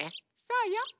そうよ。